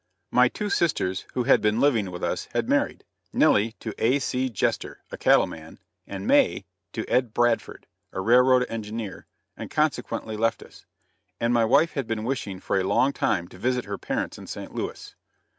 My two sisters who had been living with us had married, Nellie, to A. C. Jester, a cattle man, and May, to Ed. Bradford, a railroad engineer and consequently left us; and my wife had been wishing for a long time to visit her parents in St. Louis.